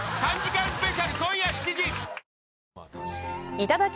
いただき！